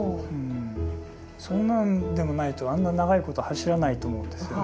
そんなんでもないとあんな長いこと走らないと思うんですよね。